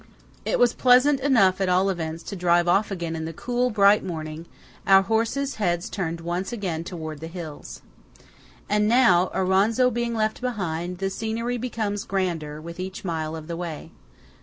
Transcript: It was pleasant enough, at all events, to drive off again in the cool, bright morning, our horses' heads turned once again towards the hills. And now, Auronzo being left behind, the scenery becomes grander with each mile of the way.